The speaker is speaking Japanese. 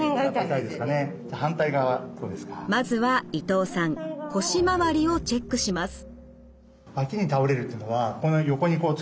まずは伊藤さん腰周りをチェックします。